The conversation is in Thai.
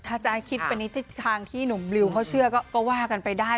ถ้าจะให้คิดไปในทิศทางที่หนุ่มบลิวเขาเชื่อก็ว่ากันไปได้